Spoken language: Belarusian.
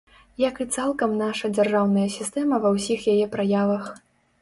Як і цалкам наша дзяржаўная сістэма ва ўсіх яе праявах.